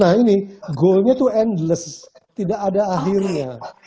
nah ini goalnya itu angels tidak ada akhirnya